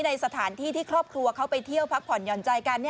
ในสถานที่ที่ครอบครัวเขาไปเที่ยวพักผ่อนหย่อนใจกัน